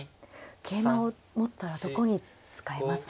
桂馬を持ったらどこに使いますか。